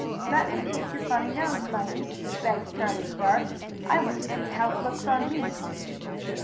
"Let me take your funny nose, Bunny," begged Charlie Star. "I want to see how it looks on me."